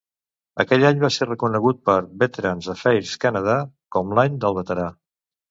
Aquell any va ser reconegut, per Veterans Affairs Canada, com l'Any del Veterà.